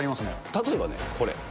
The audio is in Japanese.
例えばね、これ。